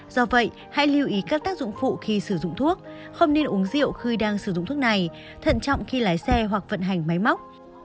do vậy hãy lưu ý các tác dụng phụ khi sử dụng thuốc không nên uống rượu khi đang sử dụng thuốc này thận trọng khi lái xe hoặc vận hành máy móc